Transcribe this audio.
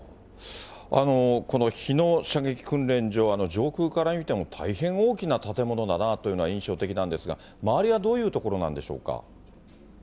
この日野射撃訓練場、上空から見ても、大変大きな建物だなというのが印象的なんですが、周りはどういう所なんでしょうか。